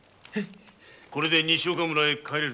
これで西岡村へ帰れるぞ。